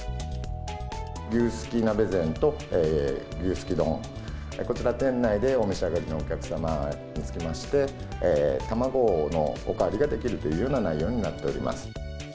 牛すき鍋膳と牛すき丼、こちら店内でお召し上がりのお客様につきまして、卵のおかわりができるというような内容になっております。